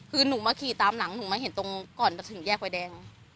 คือหนูมาขี่ตามหลังหนูมาเห็นตรงก่อนจะถึงแยกไฟแดง